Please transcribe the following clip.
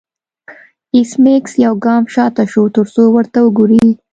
ایس میکس یو ګام شاته شو ترڅو ورته وګوري